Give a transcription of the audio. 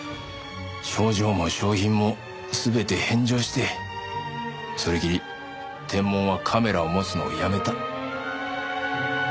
賞状も賞品も全て返上してそれきりテンモンはカメラを持つのをやめた。